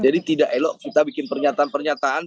jadi tidak elok kita bikin pernyataan pernyataan